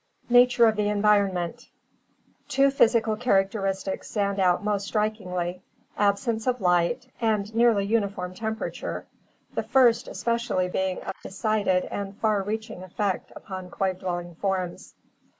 Nature of the Environment Two physical characteristics stand out most strikingly: absence of light, and nearly uniform temperature, the first especially being of decided and far reaching effect upon cave dwelling forms.